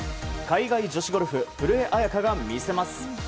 海外女子ゴルフ古江彩佳が見せます。